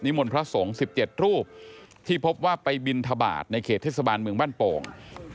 มนต์พระสงฆ์๑๗รูปที่พบว่าไปบินทบาทในเขตเทศบาลเมืองบ้านโป่ง